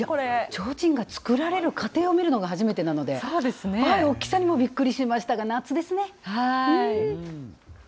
ちょうちんが作られる過程を見るのが初めてなので大きさにもびっくりしましたが夏ですね。